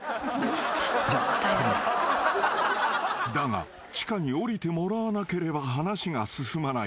［だが地下に下りてもらわなければ話が進まない］